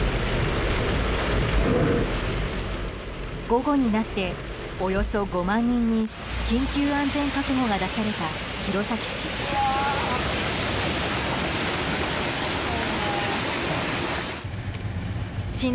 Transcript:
午後になっておよそ５万人に緊急安全確保が出された弘前市。